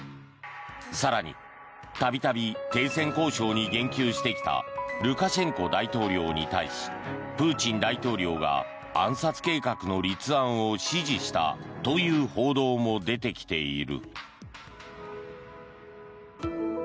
更に度々停戦交渉に言及してきたルカシェンコ大統領に対しプーチン大統領が暗殺計画の立案を指示したという報道も出てきている。